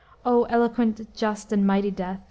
"O eloquent, just: and mighty Death!